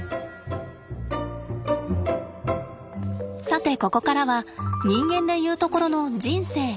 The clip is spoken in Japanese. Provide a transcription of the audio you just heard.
さてここからは人間で言うところの人生。